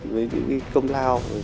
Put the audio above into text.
với những công lao